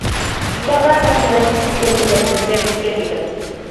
شۇ چاغدا مەن تۆۋەندىكى شېئىرنى دەپتىرىمگە پۈتكەن ئىدىم.